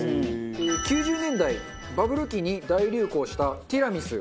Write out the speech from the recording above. ９０年代バブル期に大流行したティラミス。